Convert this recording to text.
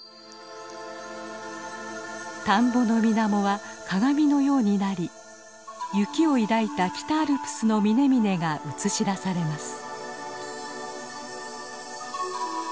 田んぼの水面は鏡のようになり雪を抱いた北アルプスの峰々が映し出されます。